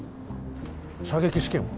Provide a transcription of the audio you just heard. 射撃試験は？